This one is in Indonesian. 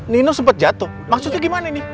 nino sempet jatoh maksudnya gimana ini